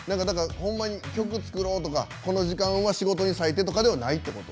ほんまに曲作ろうとかこの時間は仕事に割いてとかではないってこと？